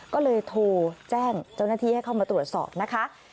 ก็เลยโทรแจ้งเจ้าหน้าที่ให้เข้ามาตรวจสอบนะคะ